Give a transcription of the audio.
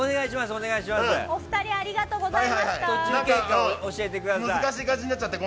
お二人ありがとうございました。